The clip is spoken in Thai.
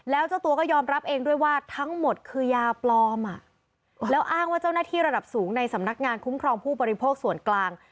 แล้วเจ้าตัวก็ยอมรับเองด้วยว่าทั้งหมดคือยาปลอมแล้วอ้างว่าเจ้าหน้าที่ระดับสูงในสำนักงานคุ้มครองผู้บริโภคส่วนกลาง